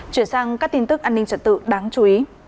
chuyển sang các tin tức an ninh trật tự đáng chú ý